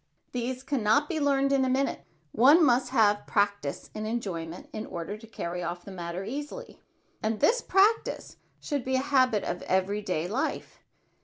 These can not be learned in a minute. One must have practise in enjoyment in order to carry off the matter easily; and this practise should be a habit of every day life.